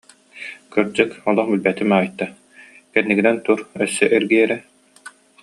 Кырдьык, олох билбэтим, Айта, кэннигинэн тур, өссө эргий эрэ